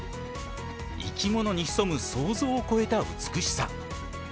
生き物に潜む想像を超えた美しさ。